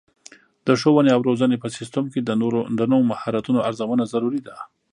د ښوونې او روزنې په سیستم کې د نوو مهارتونو ارزونه ضروري ده.